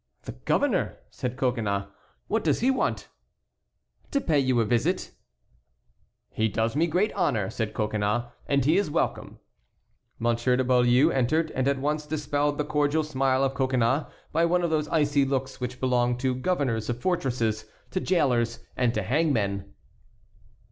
"The governor!" said Coconnas, "what does he want?" "To pay you a visit." "He does me great honor," said Coconnas; "and he is welcome." Monsieur de Beaulieu entered and at once dispelled the cordial smile of Coconnas by one of those icy looks which belong to governors of fortresses, to jailers, and to hangmen.